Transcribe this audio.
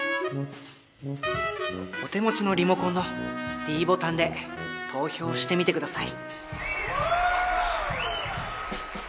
お手持ちのリモコンのｄボタンで投票してみてください。